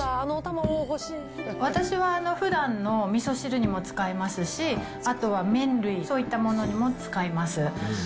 私はふだんのおみそ汁にも使いますし、あとは麺類、そういったものにも使います。